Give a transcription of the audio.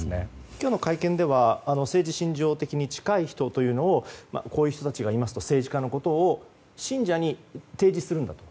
今日の会見では政治信条的に近い人こういう人たちがいますよというのを政治家のことを信者に提示するんだと。